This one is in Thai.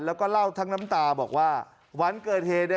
แล้วก็เล่าทั้งน้ำตาบอกว่าวันเกิดเหตุเนี่ย